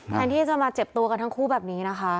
แทนที่จะมาเจ็บตัวกันทั้งคู่แบบนี้นะคะ